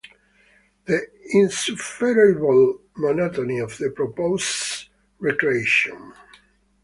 The insufferable monotony of the proposed recreation!